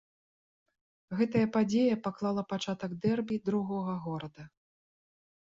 Гэтая падзея паклала пачатак дэрбі другога горада.